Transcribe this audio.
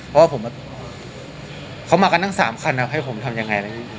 เพราะว่าผมเขามากันตั้ง๓คันให้ผมทำยังไงอะไรอย่างนี้